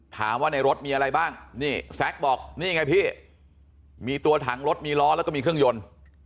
ในรถมีอะไรบ้างนี่แซ็กบอกนี่ไงพี่มีตัวถังรถมีล้อแล้วก็มีเครื่องยนต์